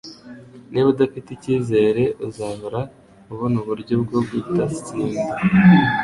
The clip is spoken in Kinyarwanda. Niba udafite ikizere, uzahora ubona uburyo bwo kudatsinda.”